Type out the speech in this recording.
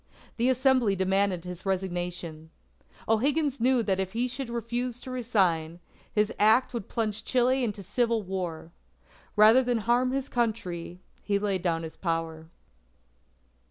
The Assembly demanded his resignation. O'Higgins knew that if he should refuse to resign, his act would plunge Chile into civil war. Rather than harm his Country, he laid down his power.